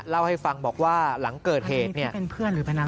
เล่าให้ฟังบอกว่าหลังเกิดเหตุ